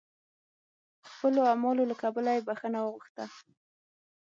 خپلو اعمالو له کبله یې بخښنه وغوښته.